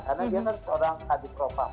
karena dia kan seorang adik ropam